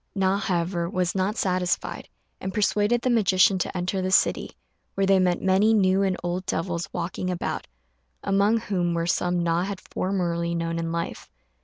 Na, however, was not satisfied, and persuaded the magician to enter the city, where they met many new and old devils walking about, among whom were some Na had formerly known in life.